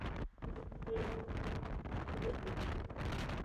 দীপন নির্গমন দীপন প্রস্থান হিসাবেও পরিচিত।